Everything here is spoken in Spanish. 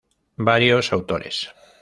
Varios autores.